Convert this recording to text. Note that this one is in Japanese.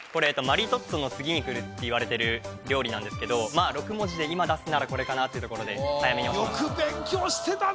マリトッツォの次にくるっていわれてる料理なんですけど６文字で今出すならこれかなってところで早めに押しました